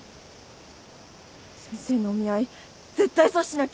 先生のお見合い絶対阻止しなきゃ。